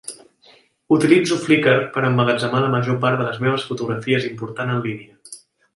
Utilitzo Flickr per emmagatzemar la major part de les meves fotografies important en línia.